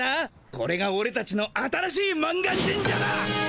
これがオレたちの新しい満願神社だ！